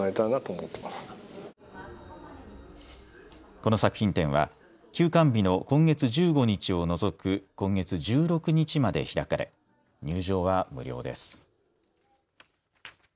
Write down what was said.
この作品展は休館日の今月１５日を除く今月１６日まで開かれ入場は無料です。